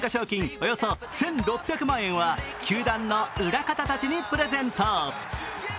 およそ１６００万円は球団の裏方たちにプレゼント。